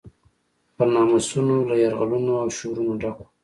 پر ناموسونو له یرغلونو او شورونو ډک و.